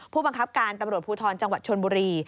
ผู้บังคับการตำรวจภูทรจังหวัดชนบุรี